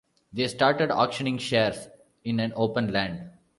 They started auctioning shares in an open land.